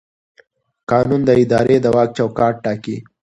قانون د ادارې د واک چوکاټ ټاکي.